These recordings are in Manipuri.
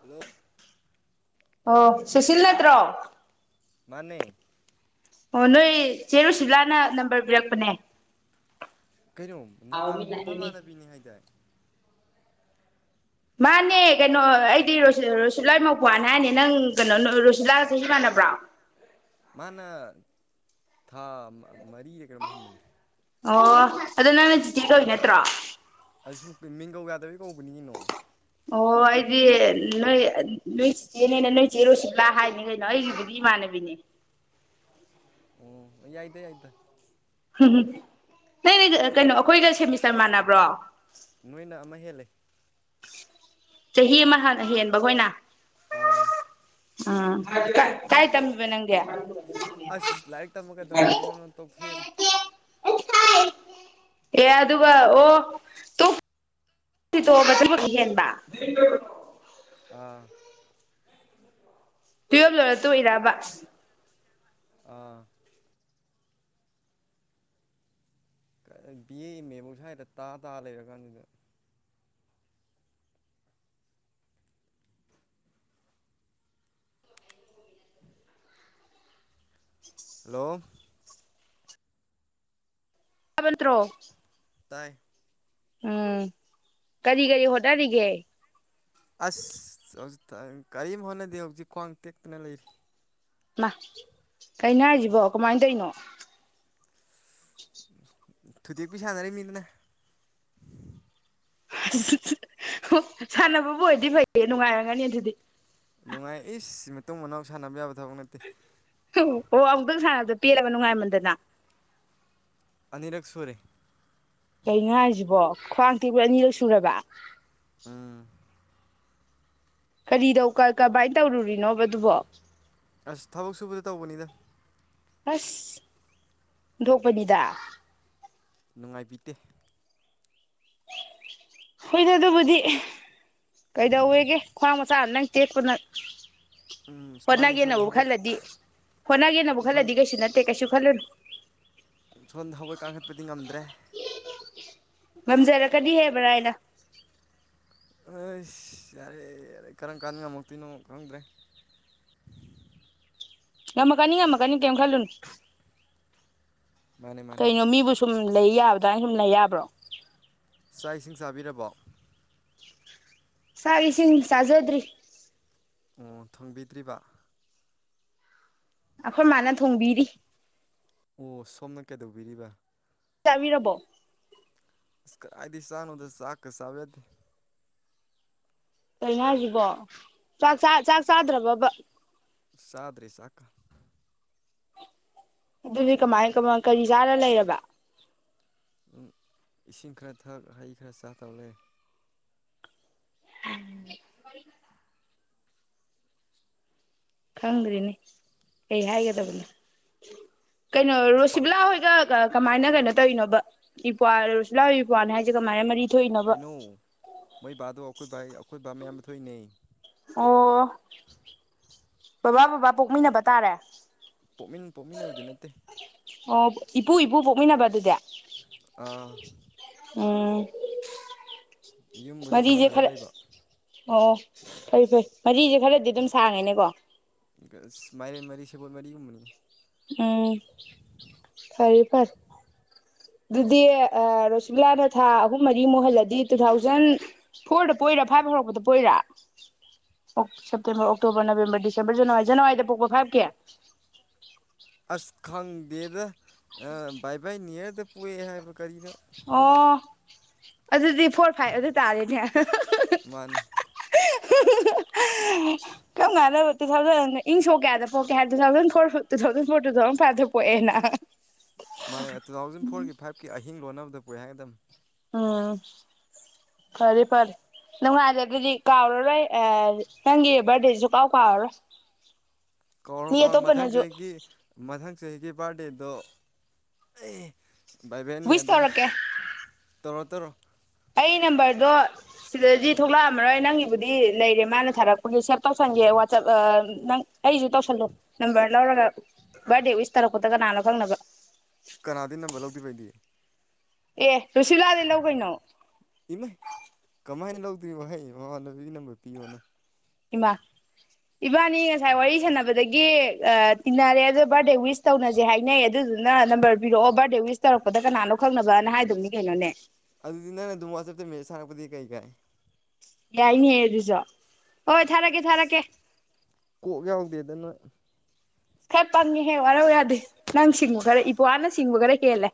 ꯍꯜꯂꯣ ꯑꯣ ꯁꯨꯁꯤꯜ ꯅꯠꯇ꯭ꯔꯣ ꯃꯥꯅꯤ ꯑꯣ ꯅꯣꯏ ꯆꯦꯔꯨꯁꯤꯂꯥꯅ ꯅꯝꯕꯔ ꯄꯤꯔꯛꯄꯅꯦ ꯀꯩꯅꯣ ꯑꯥꯎ ꯃꯤꯅ ꯍꯥꯏꯃꯤ ꯅꯃꯥꯟꯅꯕꯤꯅꯤ ꯍꯥꯏꯗꯥꯏ ꯃꯥꯅꯦ ꯀꯩꯅꯣ ꯑꯩꯗꯤ ꯔꯣꯁꯤꯠꯂꯥꯏ ꯃꯧꯈ꯭ꯋꯥꯥꯟ ꯍꯥꯏꯅꯦ ꯅꯪ ꯀꯩꯅꯣ ꯔꯨꯁꯤꯠꯂꯥꯁꯤ ꯁꯃꯥꯟꯅꯕ꯭ꯔꯣ ꯃꯥꯅ ꯊꯥ ꯃꯔꯤꯗ ꯀꯔꯝ ꯍꯟꯕꯅꯤ ꯑꯣ ꯑꯗ ꯅꯪꯅ ꯆꯖꯤꯇꯦ ꯀꯕꯤ ꯅꯠꯇ꯭ꯔꯣ ꯑꯩ ꯁꯨꯝ ꯃꯤꯡꯒꯧ ꯌꯥꯗꯕꯩ ꯀꯧꯕꯅꯤꯒꯤꯅꯣ ꯑꯣ ꯑꯩꯗꯤ ꯅꯣꯏ ꯅꯣꯏ ꯆꯤꯆꯦꯅꯦꯅꯦ ꯅꯣꯏ ꯆꯦꯔꯨꯁꯤꯠꯂꯥ ꯍꯥꯏꯅꯤ ꯀꯩꯅꯣ ꯑꯩꯒꯤꯗꯨꯗꯤ ꯏꯃꯥꯟꯅꯕꯤꯅꯦ ꯑꯣꯝ ꯌꯥꯏꯗ ꯌꯥꯏꯗ ꯎꯝ ꯅ ꯅ ꯀꯩꯅꯣ ꯑꯩꯈꯣꯏꯒ ꯁꯦꯃꯤꯁꯇꯔ ꯃꯥꯟꯅꯕ꯭ꯔꯣ ꯅꯣꯏꯅ ꯑꯃ ꯍꯦꯜꯂ ꯆꯍꯤ ꯑꯃ ꯍꯦꯟꯕꯈꯣꯏꯅ ꯑꯥ ꯑ ꯀꯥꯏ ꯇꯝꯕꯦ ꯅꯪꯦ ꯑꯁ ꯂꯥꯏꯔꯤꯛ ꯇꯝꯃꯒꯩꯗꯧꯅ ꯑꯗꯨꯣꯏꯅꯣ ꯅ ꯇꯧ ꯐꯦꯔ ꯑꯦ ꯑꯗꯨꯒ ꯑꯣ ꯇꯨꯡ ꯣꯛꯑꯒ ꯊꯕ ꯍꯦꯟꯕ ꯑꯥ ꯇꯨꯌꯦꯜꯕ ꯂꯣꯏꯔ ꯇꯨꯏꯔꯑꯕ ꯑꯥ ꯕꯤ ꯑꯦ ꯑꯦꯝ ꯑꯦꯕꯨꯧ ꯁ꯭ꯋꯥꯏꯗ ꯇꯥ ꯇꯥ ꯂꯩꯔꯀꯥꯟꯗꯨꯗ ꯍꯜꯂꯣ ꯇꯕꯟ꯭ꯔꯣ ꯇꯥꯏ ꯎꯝ ꯀꯔꯤ ꯀꯔꯤ ꯍꯣꯠꯅꯔꯤꯒꯦ ꯑꯁꯖꯤ ꯀꯔꯤꯝ ꯍꯣꯠꯅꯗꯦ ꯍꯧꯖꯤꯛ ꯈ꯭ꯋꯥꯡ ꯇꯦꯛꯇꯅ ꯂꯩꯔꯤ ꯃꯥ ꯀꯩꯅꯣ ꯍꯥꯏꯁꯤꯕꯣ ꯀꯃꯥꯏꯅ ꯇꯧꯔꯤꯅꯣ ꯊꯨꯗꯦꯛꯄꯤꯨ ꯁꯥꯟꯅꯔꯤ ꯃꯤꯗꯨꯅ ꯑꯣ ꯁꯥꯟꯅꯕꯕꯨ ꯑꯣꯏꯗꯤ ꯐꯩꯌꯦ ꯅꯨꯡꯉꯥꯏꯔꯒꯅꯤ ꯑꯗꯨꯗꯤ ꯅꯨꯡꯉꯥꯏꯏ ꯃꯇꯨꯡ ꯃꯅꯥꯎ ꯁꯥꯟꯅꯕ ꯌꯥꯕ ꯑꯠꯇ ꯑꯣ ꯑꯣ ꯑꯃꯨꯛꯇꯪ ꯁꯥꯟꯅꯕꯗꯣ ꯄꯤꯔꯕ ꯅꯨꯡꯉꯥꯏꯃꯟꯗꯅ ꯑꯅꯤꯔꯛ ꯁꯨꯔꯦ ꯀ ꯉ ꯍꯥꯏꯁꯤꯕꯣ ꯈ꯭ꯋꯥꯡ ꯇꯤꯕꯨ ꯑꯅꯤꯔꯛ ꯁꯨꯔꯕ ꯎꯝ ꯀꯔꯤꯗꯧ ꯀꯃꯥꯏꯅ ꯇꯧꯔꯨꯔꯤꯅꯣꯕꯗꯨꯕꯣ ꯑꯁ ꯊꯕꯛ ꯁꯨꯕꯗ ꯇꯧꯕꯅꯤꯗ ꯑꯁ ꯊꯣꯛꯣꯛꯄꯅꯤꯗ ꯅꯨꯡꯉꯥꯏꯕꯤꯗꯦ ꯍꯣꯏꯗ ꯑꯗꯨꯕꯨꯗꯤ ꯀꯩꯗꯧꯋꯦꯒꯦ ꯈ꯭ꯋꯥꯡ ꯃꯆꯥ ꯑꯃ ꯅꯪ ꯇꯦꯛꯄ ꯅꯪ ꯎꯝ ꯃꯥꯅ ꯏꯁꯣꯟꯗ ꯍꯣꯠꯅꯒꯦꯅꯕꯨ ꯍꯧꯒꯠ ꯈꯜꯂꯗꯤ ꯍꯣꯠꯅꯒꯟꯅꯕꯨ ꯈꯜꯂꯗꯤ ꯀꯩꯁꯨ ꯅꯠꯇꯦ ꯀꯩꯁꯨ ꯈꯂꯣ ꯁꯣꯝꯗ ꯍꯧꯒꯣꯏ ꯀꯥꯡꯈꯠꯄꯗꯤ ꯉꯝꯗ꯭ꯔꯦ [inaudible] ꯃꯝꯖꯔ ꯀꯗꯤ ꯍꯥꯏꯦꯕ꯭ꯔꯥ ꯍꯥꯏꯅ ꯑꯩ ꯌꯥꯔꯦ ꯌꯥꯔꯦ ꯀꯔꯝ ꯀꯥꯟ ꯃꯃꯛꯇꯣꯏꯅꯣ ꯈꯪꯗ꯭ꯔꯦ ꯉꯝꯃꯀꯅꯤ ꯉꯝꯃꯀꯅꯤ ꯀꯩꯝ ꯈꯜꯂꯨꯅ ꯃꯥꯅꯦ ꯃꯥꯅꯦ ꯀꯩꯅꯣꯃꯤꯕꯨꯁꯨ ꯁꯨꯝ ꯂꯩ ꯌꯥꯕꯗꯅ ꯁꯨꯝ ꯂꯩ ꯌꯥꯕ꯭ꯔꯣ ꯆꯥꯛ ꯏꯁꯤꯡ ꯆꯥꯕꯤꯔꯕꯣ ꯁꯕꯤꯁꯤꯟ ꯁꯥꯖꯗ꯭ꯔꯤ ꯑꯣ ꯊꯪꯕꯤꯗ꯭ꯔꯤꯕ ꯑꯩꯈꯣꯏ ꯃꯥꯅ ꯊꯣꯡꯕꯤꯔꯤ ꯑꯣ ꯁꯣꯝꯅ ꯀꯩꯗꯧꯕꯤꯔꯤꯕ ꯆꯥꯕꯤꯔꯕꯣ ꯥꯏꯗꯤ ꯁꯥ ꯅꯗ ꯆ ꯀꯁꯥꯕꯦꯗꯤ ꯂꯥꯏꯅꯥꯁꯤꯕꯣ ꯆꯥꯛ ꯆꯥꯛ ꯆꯥꯗ꯭ꯔꯕꯕ ꯁꯥꯗꯔꯤꯁꯈ ꯑꯗꯨꯗꯤ ꯀꯃꯥꯏ ꯀꯃꯥꯏ ꯀꯔꯤ ꯆꯥꯔ ꯂꯩꯔꯕ ꯑꯗꯨꯝ ꯏꯁꯤꯡ ꯈꯔ ꯊꯛ ꯍꯩ ꯈꯔ ꯆꯥ ꯇꯧꯔꯦ ꯎꯝ ꯈꯪꯗ꯭ꯔꯤꯅꯤ ꯀꯩ ꯍꯥꯏꯒꯗꯕꯅꯣ ꯀꯩꯅꯣ ꯑꯁ ꯄꯥꯛ ꯔꯣꯁꯤꯕꯂꯥ ꯍꯣꯏꯗ ꯀꯃꯥꯏꯅ ꯀꯩꯅꯣ ꯇꯧꯔꯤꯅꯣꯕ ꯏꯄ꯭ꯋꯥ ꯔꯨꯁꯂꯥ ꯏꯄ꯭ꯅꯤ ꯍꯥꯏꯁꯦ ꯀꯃꯥꯏꯅ ꯃꯔꯤ ꯊꯣꯛꯏꯅꯣꯕ ꯀꯩꯅꯣ ꯃꯩ ꯕꯥꯗꯣ ꯑꯩꯈꯣꯏ ꯕꯥ ꯑꯩꯈꯣꯏ ꯕꯥ ꯃꯌꯥꯝ ꯊꯣꯏꯅ ꯑꯣ ꯕꯕꯥ ꯕꯕꯥ ꯄꯣꯛꯃꯤꯟꯅꯕ ꯇꯥꯔꯦ ꯄꯣꯛꯃꯤꯟ ꯄꯣꯛꯃꯤꯟꯅꯕꯗꯤ ꯅꯠꯇꯦ ꯑꯣ ꯏꯄꯨ ꯏꯄꯨ ꯄꯣꯛꯃꯤꯟꯅꯕ ꯑꯗꯨꯗꯤ ꯑꯥ ꯎꯝ ꯌꯨꯝꯕꯨꯗꯤ ꯃꯔꯤꯁꯦ ꯊꯪꯅꯔ ꯈꯔ ꯂꯩꯕ ꯑꯣ ꯐꯩ ꯐꯩ ꯃꯔꯤꯁꯦ ꯈꯔꯗꯤ ꯑꯗꯨꯝ ꯁꯥꯡꯉꯦꯅꯦꯀꯣ ꯃꯥꯏꯔꯦꯝ ꯃꯔꯤ ꯁꯦꯕꯣꯜ ꯃꯔꯤꯒꯨꯝꯕꯅꯤ ꯎꯝ ꯐꯔ ꯐꯔ ꯑꯗꯨꯗꯤ ꯔꯣꯁꯤꯂꯥꯅ ꯊꯥ ꯑꯍꯨꯝ ꯃꯔꯤ ꯃꯨꯛꯍꯜꯂꯗꯤ ꯇꯨ ꯊꯥꯎꯖꯟ ꯐꯣꯔꯗ ꯄꯣꯏꯔꯥ ꯐꯥꯏꯚ ꯍꯧꯔꯛꯄꯗ ꯄꯣꯏꯔꯥ September October November December January ꯖꯅꯋꯥꯔꯤꯗ ꯄꯣꯛꯄ ꯐꯥꯏꯚꯀꯤ ꯑꯁ ꯈꯪꯗꯦꯗ ꯕꯥꯏ ꯕꯥꯏ ꯅꯤꯌꯔꯗ ꯄꯣꯛꯑꯦ ꯍꯥꯏꯕ ꯀꯔꯤꯅꯣ ꯑꯣ ꯑꯗꯨꯗꯤ ꯐꯣꯔ ꯐꯥꯏꯚ ꯑꯗꯨ ꯇꯥꯔꯦꯅꯦ ꯃꯥꯅꯤ ꯀꯝ ꯀꯥꯟꯅꯕ ꯇꯨ ꯊꯥꯎꯖꯟ ꯏꯪ ꯁꯣꯛ ꯀꯌꯥꯗ ꯄꯣꯛꯀꯦ ꯍꯥꯏ two thousand four two thousand four two thousand ꯐꯥꯏꯚꯇ ꯄꯣꯛꯑꯦꯅ ꯃꯥꯅꯦ ꯇꯨ ꯊꯥꯎꯖꯟ ꯐꯣꯔꯒꯤ ꯐꯥꯏꯚꯀꯤ ꯑꯍꯤꯡ ꯂꯣꯟꯅꯕꯗ ꯀꯣꯏꯍ ꯑꯦꯗꯝꯝ ꯎꯝ ꯐꯔꯦ ꯐꯔꯦ ꯅꯨꯡꯉꯥꯏꯔꯦ ꯑꯗꯨꯗꯤ ꯀꯥꯎꯔꯔꯣꯏ ꯅꯪꯒꯤ ꯕꯥꯔꯗꯦꯁꯤꯁꯨ ꯀꯥꯎ ꯀꯥꯎꯔꯔꯣꯏ ꯀꯧꯔꯣ ꯃꯤ ꯀꯧꯔꯣ ꯃꯊꯪ ꯑꯇꯣꯞꯄꯅꯁꯨ ꯆꯍꯤꯒꯤ ꯃꯊꯪ ꯆꯍꯤꯒꯤ ꯕꯥꯔꯗꯦꯗꯣ ꯚꯏ ꯚꯦꯟꯅꯤ ꯋꯤꯁ ꯑꯗꯨꯅꯤ ꯇꯧꯔꯛꯀꯦ ꯇꯧꯔꯣ ꯇꯧꯔꯣ ꯑꯩ ꯅꯝꯕꯔꯗꯣ ꯁꯤꯗꯗꯤ ꯊꯣꯛꯂꯛꯑꯝꯃꯔꯣꯏ ꯅꯪꯒꯤꯕꯨꯗꯤ ꯂꯩꯔꯦ ꯃꯥꯅ ꯊꯥꯔꯛꯄꯒꯤ ꯁꯦꯞ ꯇꯧꯁꯟꯒꯦ ꯋꯥꯆꯞ ꯅꯪ ꯑꯩꯁꯨ ꯇꯧꯁꯜꯂꯣ ꯅꯝꯕꯔ ꯂꯧꯔꯒ ꯕꯥꯔꯗꯦ ꯋꯤꯁ ꯇꯥꯔꯛꯄꯗ ꯀꯅꯥꯅꯣ ꯐꯪꯅꯕ ꯀꯅꯥꯗꯅ ꯃꯂꯣ ꯑꯗꯨꯕꯗꯤ ꯑꯦ ꯂꯨꯁꯤꯂꯥꯑꯗꯦ ꯂꯧ ꯀꯩꯅꯣ ꯏꯃꯥꯏ ꯀꯃꯥꯏꯅ ꯂꯧꯗꯣꯏꯅꯣꯍꯩ ꯃꯃꯣꯟꯗ ꯄꯤꯅꯝꯕ ꯄꯤꯌꯣꯅ ꯏꯃꯥ ꯏꯃꯥꯅꯤ ꯉꯁꯥꯏ ꯋꯥꯔꯤ ꯁꯥꯟꯅꯕꯗꯒꯤ ꯇꯤꯟꯅꯔꯦ ꯑꯣ ꯕꯥꯔꯗꯦ ꯋꯤꯁ ꯇꯧꯅꯁꯦ ꯍꯥꯏꯅꯩ ꯑꯗꯨꯗꯨꯅ ꯅꯝꯕꯔ ꯄꯤꯔꯛꯑꯣ ꯕꯥꯔꯗꯦ ꯋꯤꯁ ꯇꯧꯔꯛꯄꯗ ꯀꯅꯥꯅꯣ ꯈꯪꯅꯕꯅ ꯍꯥꯏꯗꯧꯅꯤ ꯀꯩꯅꯣꯅꯦ ꯑꯗꯨꯗꯤ ꯅꯪ ꯑꯗꯨꯝ ꯋꯥ ꯆꯞꯇ ꯃ ꯁꯥꯔꯛꯄꯗꯤ ꯀꯩ ꯀꯥꯏ ꯌꯥꯏꯅꯦꯌꯦ ꯑꯗꯨ ꯑꯗꯨꯖꯣ ꯍꯣꯏ ꯊꯥꯔꯛꯀꯦ ꯊꯥꯔꯛꯀꯦ ꯀꯣꯛ [inaudible] ꯈꯔ ꯄꯪꯉꯦꯍꯦ ꯋꯥꯔꯧ ꯌꯥꯗꯦ ꯅꯪ ꯁꯤꯡꯕ ꯈꯔ ꯏꯄ꯭ꯋꯥꯅ ꯁꯤꯡꯕ ꯈꯔ ꯍꯦꯜꯂꯦ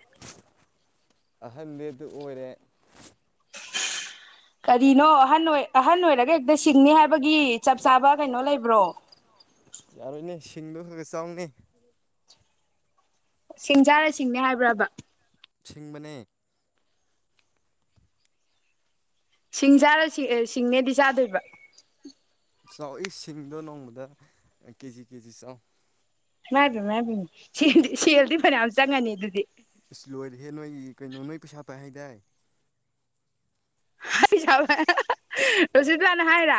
ꯑꯍꯟꯗꯨ ꯑꯣꯏꯔꯦ ꯀꯔꯤꯅꯣ ꯑꯍꯟ ꯑꯣꯏ ꯑꯍꯟ ꯑꯣꯏꯔꯒ ꯍꯦꯛꯇ ꯁꯤꯡꯅꯤ ꯍꯥꯏꯕꯒꯤ ꯆꯞ ꯆꯥꯕ ꯀꯩꯅꯣ ꯂꯩꯕ꯭ꯔꯣ ꯌꯥꯔꯣꯏꯅꯦ ꯁꯤꯡꯗꯣ ꯈꯔ ꯆꯥꯎꯅꯤ ꯁꯤꯡꯖꯥꯔ ꯁꯤꯡꯅꯦ ꯍꯥꯏꯕ꯭ꯔꯕ ꯤꯡꯕꯅꯦ ꯁꯤꯡ ꯆꯥꯔ ꯁꯤꯡꯅꯦꯗꯤ ꯆꯥꯗꯣꯏꯕ ꯆꯥꯎꯏ ꯁꯤꯡꯗꯣ ꯅꯣꯡꯃꯗ ꯀꯦꯖꯤ ꯀꯦꯖꯤ ꯆꯥꯎ ꯃꯥꯗꯤ ꯃꯥ ꯑꯗꯨꯅꯦꯦꯜꯗꯤ ꯁꯦꯜꯗꯤ ꯐꯅꯌꯥꯝ ꯆꯪꯉꯅꯤ ꯑꯗꯨꯗꯤ ꯑꯁ ꯂꯣꯏꯔꯍꯦ ꯅꯣꯏꯒꯤ ꯀꯩꯅꯣ ꯅꯣꯏ ꯄꯩꯁꯥ ꯄꯥꯏ ꯍꯥꯏꯗꯥꯏ ꯍꯥꯏꯕ ꯔꯣꯁꯤꯗꯂꯅ ꯍꯥꯏꯔ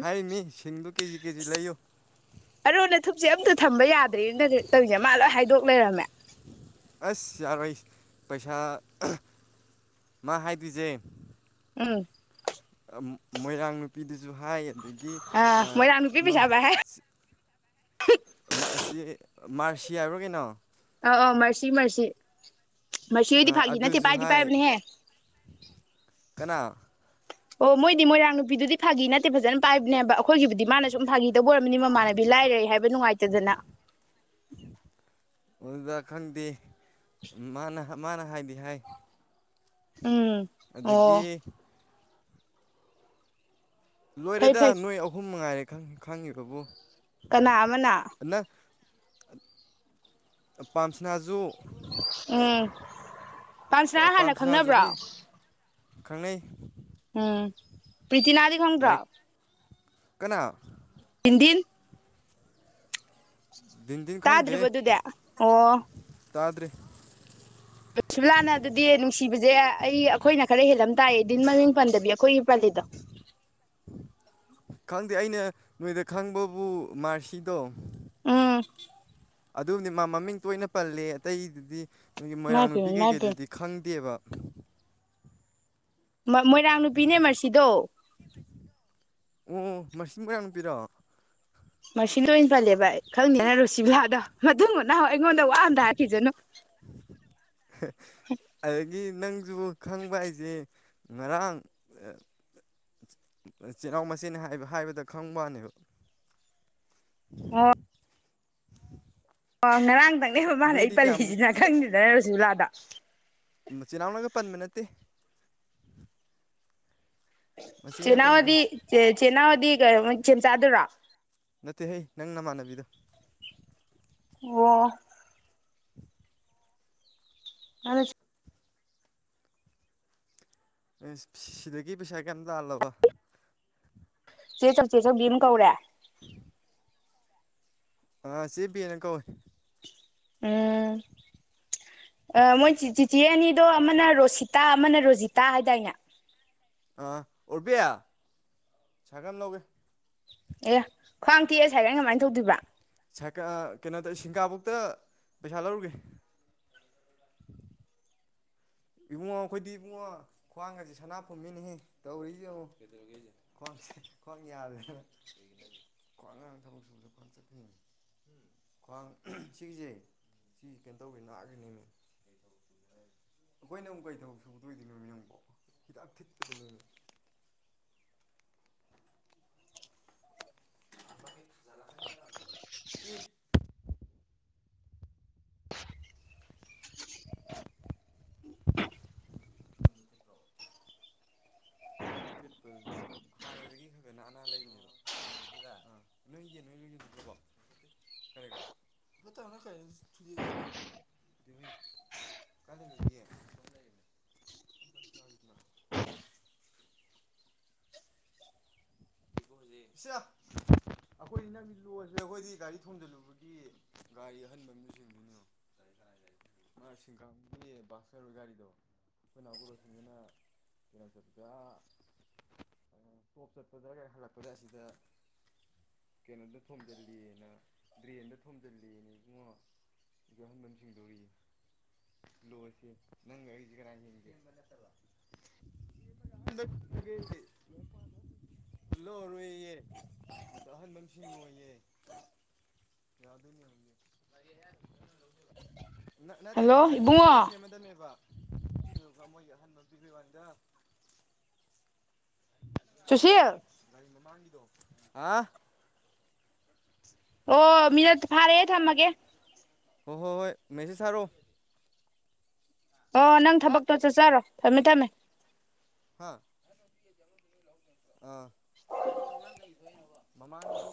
ꯍꯥꯏꯔꯤꯅꯤ ꯁꯤꯟꯗꯨ ꯀꯦꯖꯤ ꯀꯦꯖꯤ ꯂꯩꯌꯨ ꯑꯔꯣꯅ ꯊꯨꯞꯁꯦ ꯑꯝꯇ ꯊꯝꯕ ꯌꯥꯗ꯭ꯔꯦꯅ ꯇꯧꯔꯤꯁꯦ ꯃꯥ ꯂꯣꯏ ꯍꯥꯏꯗꯣꯛ ꯂꯩꯔꯝꯃꯦ ꯑꯁ ꯌꯥꯔꯣꯏ ꯄꯩꯁꯥ ꯃꯥ ꯍꯥꯏꯗꯣꯏꯁꯦ ꯎꯝ ꯃꯣꯏꯔꯥꯡ ꯅꯨꯄꯤꯗꯨ ꯨ ꯍꯥꯏ ꯑꯗꯒꯤ ꯑꯥ ꯃꯣꯏꯔꯥꯡ ꯅꯨꯄꯤ ꯄꯩꯁꯥ ꯄꯥꯏ ꯍꯥꯏ ꯑꯁꯤ ꯃꯥꯔꯁꯤ ꯍꯥꯏꯕꯣ ꯀꯩꯅꯣ ꯑ ꯑ ꯃꯁꯤ ꯃꯁꯤꯁꯤ ꯃꯁꯤꯗꯤ ꯐꯥꯈꯤ ꯅꯠꯇꯦ ꯑꯗꯨꯁꯨ ꯄꯥꯏꯗꯤ ꯍꯥꯏ ꯄꯥꯏꯕꯅꯦꯍꯦ ꯀꯅꯥ ꯑꯣ ꯃꯣꯏꯗꯤ ꯃꯣꯏꯔꯥꯡ ꯅꯨꯄꯤꯗꯨꯗꯤ ꯐꯥꯒꯤ ꯅꯠꯇꯦ ꯐꯖꯅ ꯄꯥꯏꯕꯅꯦꯕ ꯑꯩꯈꯣꯏꯒꯤꯕꯨꯗꯤ ꯃꯥꯅꯁꯨ ꯐꯥꯈꯤ ꯇꯕꯨ ꯑꯣꯏꯔꯝꯅꯤ ꯃꯃꯥꯟꯅꯕꯤ ꯂꯥꯏꯔꯦ ꯍꯥꯏꯕ ꯅꯨꯡꯉꯥꯏꯇꯗꯅ ꯎꯗ ꯈꯟꯗꯤ ꯃꯥꯅꯍ ꯃꯥꯅ ꯍꯥꯏꯗꯤ ꯍꯥꯏ ꯎꯝ ꯑꯣ ꯑꯗꯒꯤ ꯐꯩ ꯂꯣꯏꯔꯦꯗ ꯐꯩ ꯅꯣꯏ ꯑꯍꯨꯝ ꯃꯉꯥꯏꯔꯦ ꯈꯪꯉꯤꯕꯕꯨ ꯀꯅꯥ ꯑꯃꯅꯥ ꯄꯝꯁꯅꯖꯨ ꯎꯝ ꯄꯥꯟꯁꯅꯥ ꯍꯥꯟꯅ ꯄꯥꯝꯁꯅꯥꯁꯨ ꯈꯪꯅꯕ꯭ꯔꯣ ꯑꯩꯈꯣꯏ ꯈꯪꯅꯩ ꯎꯝ ꯄ꯭ꯇꯤꯅꯥꯗꯤ ꯈꯪꯗ꯭ꯔ ꯂꯥꯏꯛ ꯀꯅꯥ ꯍꯤꯟꯗꯤꯤꯟ ꯗꯤꯟ ꯗꯤꯟ ꯇꯥꯗ꯭ꯔꯤꯕꯗꯨꯗꯦ ꯑꯣ ꯇꯥꯗ꯭ꯔꯔꯤ ꯁꯂꯥꯟꯅ ꯑꯗꯨꯗꯤ ꯅꯨꯡꯁꯤꯕꯁꯦ ꯑꯩꯈꯣꯏꯅ ꯈꯔ ꯍꯦꯜꯂꯝꯗꯦ ꯇꯥꯏꯌꯦꯗꯤꯟ ꯃꯃꯤꯡ ꯄꯟꯗꯕꯤ ꯑꯩꯈꯣꯏꯒꯤ ꯄꯜꯂꯤꯗ ꯈꯪꯗꯦ ꯑꯩꯅ ꯅꯣꯏꯗ ꯈꯪꯕꯕꯨ ꯃꯥꯁꯤꯗꯣ ꯎꯝ ꯑ ꯃꯃꯤꯡ ꯇꯣꯏꯅ ꯄꯜꯂꯦ ꯑꯇꯩꯗꯨꯗꯤ ꯅꯪꯣꯏꯒꯤ ꯏꯃꯥꯏ ꯃꯣꯏꯔꯥꯡ ꯅꯨꯄꯤ ꯄꯦꯝꯃ ꯏꯃꯥꯏ ꯀꯩꯀꯩꯗꯨꯗꯤ ꯄꯦꯝꯃ ꯈꯪꯗꯦꯕ [inaudible] ꯃꯣꯏꯔꯥꯡ ꯅꯨꯄꯤꯅꯦ ꯃꯁꯤꯁꯤꯗꯣ ꯑꯣ ꯃꯁꯤꯡ ꯀꯌꯥꯅ ꯄꯤꯔꯣꯑꯣ ꯃꯁꯤꯗ ꯑꯣꯏꯅ ꯄꯜꯂꯦꯕ ꯑꯩ ꯈꯪꯗꯦꯅ ꯔꯨꯁꯤꯕꯤꯂꯗꯣ ꯃꯕꯨꯅ ꯑꯩꯉꯣꯟꯗ ꯋꯥ ꯑꯝꯗ ꯍꯥꯈꯤꯁꯅꯨ ꯑꯗꯒꯤ ꯅꯪꯁꯨ ꯈꯪꯕ ꯍꯥꯏꯁꯦ ꯉꯔꯥꯡ ꯆꯤꯜꯅꯥꯎ ꯃꯆꯦꯅꯤ ꯍꯥꯏꯕ ꯍꯥꯏꯕꯗ ꯈꯪꯕꯅꯦꯕ ꯑꯣ ꯑꯣ ꯉꯔꯥꯡꯗ ꯅꯅꯦꯕ ꯃꯥꯅ ꯑꯩ ꯅꯣꯏꯗꯤ ꯄꯜꯂꯤꯁꯤ ꯀꯌꯥꯃꯨꯛ ꯅꯥ ꯈꯪꯗꯅ ꯂꯁꯤꯂꯗ ꯃꯆꯤꯜꯅꯥꯥꯛꯅꯒ ꯄꯟꯃꯤꯟꯅꯠꯇꯦ ꯆꯦꯅꯥꯋꯥꯗꯤ ꯆ ꯆꯦꯅꯥꯕꯗꯤ ꯆꯤꯟ ꯆꯥꯗꯨꯔꯣ ꯅꯠꯇꯦ ꯍꯩ ꯅꯪ ꯅꯃꯥꯟꯅꯕꯤꯗꯣ ꯑꯣ ꯑ ꯑꯦ ꯁꯤꯗꯒꯤ ꯄꯩꯁꯥ ꯀꯩꯝ ꯇꯥꯜꯂꯕ ꯆꯦ ꯆꯧ ꯆꯦ ꯆꯧꯤ ꯑꯗꯨꯝ ꯀꯧꯔꯦ ꯑ ꯁꯤꯦ ꯄꯤꯅ ꯀ ꯑꯣꯏ ꯎꯝ ꯃꯣꯏ ꯆꯤꯆꯦ ꯑꯅꯤꯗꯣ ꯑꯃꯅ ꯔꯣꯁꯤꯇꯥ ꯑꯃꯅ ꯔꯣꯖꯤꯇꯥ ꯍꯥꯏꯗꯥꯏꯅꯦ ꯑ ꯑꯣꯠꯕꯤꯌꯥ ꯁꯒꯝ ꯂꯧꯒꯦ ꯑꯦ ꯈ꯭ꯋꯥꯡ ꯇꯤꯁꯥꯏꯔꯩꯅ ꯀꯃꯥꯏꯅ ꯇꯧꯗꯣꯏꯕ ꯁ ꯀꯩꯅꯣꯗ ꯁꯤꯡꯒꯥꯕꯧꯇ ꯄꯩꯁꯥ ꯂꯧꯔꯨꯒꯦ ꯏꯕꯨꯡꯉꯣ ꯑꯩꯈꯣꯏꯗꯤ ꯏꯕꯨꯡꯉꯣ ꯈ꯭ꯋꯥꯡꯒꯁꯦ ꯁꯅꯥꯄꯣꯃꯤꯅꯦꯍ ꯇꯧꯔꯤꯁꯤ ꯑꯃꯨ ꯈ꯭ꯋꯥꯡꯦ ꯈ꯭ꯋꯥꯡ ꯌꯥꯗꯗꯅ ꯈ꯭ꯋꯥꯡ ꯉꯥꯡ ꯊꯕꯛ ꯁꯨꯕꯗ ꯈ꯭ꯋꯥꯡ ꯆꯠꯈꯅꯤ ꯎ ꯈ꯭ꯋꯥꯡ ꯁꯤꯒꯤꯁꯦ ꯁꯤ ꯀꯩꯅꯣ ꯇꯧꯕꯅꯤ ꯥꯛꯈ꯭ꯅꯤ ꯑꯩꯈꯣꯏꯅ ꯑꯃꯨꯛ ꯀꯩ ꯊꯧ ꯁꯨꯗꯣꯏꯗꯣꯏꯅꯣꯃꯤ ꯅꯪꯀꯣ ꯍꯤꯗꯥꯛ ꯊꯤꯠꯄꯗꯅꯦꯃꯤ [inaudible] ꯊꯠꯄꯗꯨꯗ ꯍꯥꯟꯅꯗꯒꯤ ꯈ ꯈꯅ ꯑꯅꯥ ꯂꯩꯕꯅꯦꯕ ꯅ ꯑꯩꯈꯣꯏ ꯅꯪꯒꯤ ꯂꯣꯁꯤꯦ ꯑꯩꯈꯣꯏꯗꯤ ꯒꯥꯔꯤ ꯊꯣꯡꯖꯤꯜꯂꯨꯕꯒꯤ ꯒꯥꯔꯤ ꯑꯍꯟꯕ ꯃꯤꯁꯤꯡꯗꯨꯅꯣ ꯃꯥ ꯁꯤꯡꯈꯒꯤ ꯕꯥꯛ ꯆꯔꯣꯏ ꯒꯥꯔꯤꯗꯣ ꯑꯩꯈꯣꯏꯅꯥꯎꯒ ꯂ ꯁꯁꯤꯅ ꯀꯩꯅꯣ ꯆꯠꯄꯗ ꯇꯣꯞ ꯆꯠꯄꯗ꯭ꯔꯥ ꯀ ꯍꯜꯂꯛꯄꯗ ꯑꯁꯤꯗ ꯀꯩꯅꯣꯗ ꯊꯣꯝꯖꯤꯜꯂꯤꯦꯅ ꯗ꯭ꯔꯦꯟꯗ ꯊꯣꯝꯖꯤꯜꯂꯤꯅꯦ ꯏꯕꯨꯡꯉꯣ ꯑꯗꯨ ꯑꯍꯟꯕ ꯁꯤꯡꯗꯣꯔꯤ ꯂꯣꯁꯦ ꯅꯪꯒ ꯑꯩꯁꯦ ꯀꯅꯥ ꯍꯦꯟꯒꯦ ꯂꯔꯣꯏꯌꯦꯦꯌꯦ ꯑꯗꯣ ꯑꯍꯟꯥꯟꯕ ꯑꯃꯁꯤꯡꯉꯣꯌꯦ ꯌꯥꯗ ꯅ ꯍꯣꯡꯦ ꯅꯠꯇꯦ ꯍꯜꯂꯣ ꯒꯥꯔꯤ ꯄꯨꯟꯅ ꯏꯕꯨꯡꯉꯣ ꯁꯦꯝꯃꯗꯕꯅꯦꯕ ꯑ ꯐꯃꯣꯏꯒꯤ ꯑꯍꯟ ꯃ ꯄꯤꯕꯤ ꯋꯥꯅꯤꯗ ꯁꯨꯁꯤꯜ ꯒꯥꯔꯤ ꯃꯃꯥꯡꯒꯤꯗꯣ ꯍꯥ ꯑꯣ ꯃꯤꯅ ꯐꯔꯦ ꯊꯃꯒꯦ ꯍꯣ ꯍꯣꯏ ꯍꯣꯏ ꯃꯦꯁꯦꯖ ꯊꯥꯔꯛꯑꯣ ꯑꯣ ꯅꯪ ꯊꯕꯛꯇꯣ ꯆꯠꯆꯔꯣ ꯊꯝꯃꯦ ꯊꯝꯃꯦ ꯍꯥ ꯑꯥ ꯒꯥꯔꯤ ꯃꯃꯥꯡ ꯀꯩ ꯁꯣꯛꯏꯅꯣꯕ ꯃꯃꯥꯡꯒꯤ